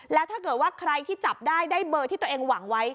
แล้วถ้าเกิดว่าใครที่จับได้ได้เบอร์ที่ตัวเองหวังไว้